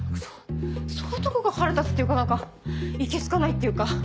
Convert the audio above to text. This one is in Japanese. そういうとこが腹立つっていうか何かいけ好かないっていうか。